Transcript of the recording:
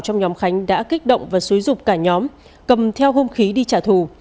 trong nhóm khánh đã kích động và xúi dục cả nhóm cầm theo hung khí đi trả thù